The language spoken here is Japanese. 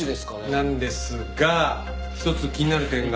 なんですが一つ気になる点が。